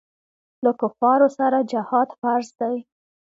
له کفارو سره جهاد فرض دی.